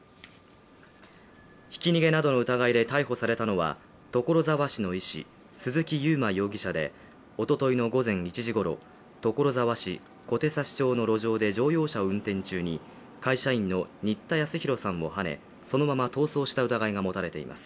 ひき逃げなどの疑いで逮捕されたのは所沢市の医師、鈴木佑麿容疑者でおとといの午前１時ごろ所沢市小手指町の路上で乗用車を運転中に会社員の新田恭弘さんをはね、そのまま逃走した疑いが持たれています。